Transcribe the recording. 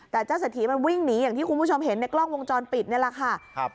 แต่เจ้าเศรษฐีมันวิ่งหนีอย่างที่คุณผู้ชมเห็นในกล้องวงจรปิดนี่แหละค่ะครับ